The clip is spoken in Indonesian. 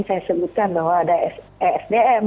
saya sebutkan bahwa ada esdm